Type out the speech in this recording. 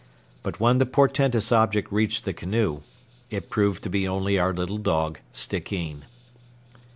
But when the portentous object reached the canoe, it proved to be only our little dog, Stickeen.